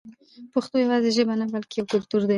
پښتو یوازې ژبه نه بلکې یو کلتور دی.